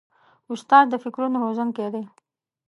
استاد د فکرونو روزونکی دی.